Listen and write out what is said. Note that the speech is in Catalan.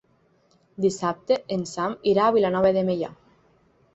Dissabte en Sam irà a Vilanova de Meià.